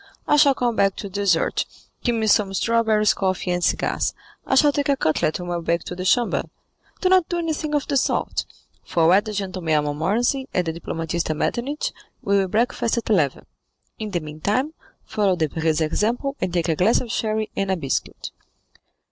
I shall come back to dessert; keep me some strawberries, coffee, and cigars. I shall take a cutlet on my way to the Chamber." "Do not do anything of the sort; for were the gentleman a Montmorency, and the diplomatist a Metternich, we will breakfast at eleven; in the meantime, follow Debray's example, and take a glass of sherry and a biscuit."